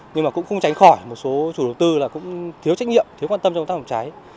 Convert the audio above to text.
nhưng mà cũng không tránh khỏi một số chủ đầu tư là cũng thiếu trách nhiệm thiếu quan tâm trong công tác phòng cháy